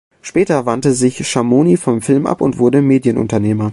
Später wandte sich Schamoni vom Film ab und wurde Medienunternehmer.